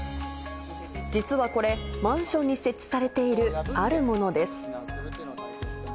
実はこれ、マンションに設置されているあるものです。